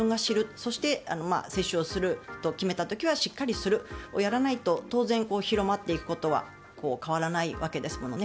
そして接種をすると決めた時はしっかりするをやらないと当然広まっていくことは変わらないわけですものね。